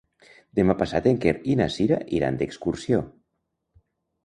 Demà passat en Quer i na Cira iran d'excursió.